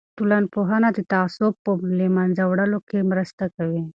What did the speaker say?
ټولنپوهنه د تعصب په له منځه وړلو کې مرسته کوي.